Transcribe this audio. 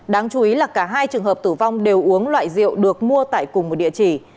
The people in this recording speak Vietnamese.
đáng chú ý là cả hai trường hợp tử vong đều uống loại rượu được mua tại cùng một địa chỉ